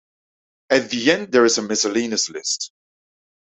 At the end there is a miscellaneous list.